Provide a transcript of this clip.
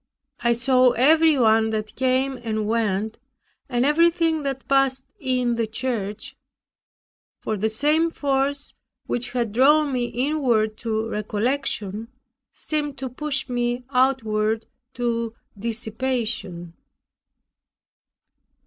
I saw every one that came and went, and everything that passed in the church. For the same force, which had drawn me inward to recollection, seemed to push me outward to dissipation.